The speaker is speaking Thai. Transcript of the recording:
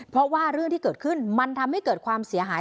เพราะว่าเรื่องที่เกิดขึ้นมันทำให้เกิดความเสียหาย